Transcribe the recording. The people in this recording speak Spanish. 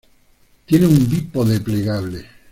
Tiene un bípode plegable.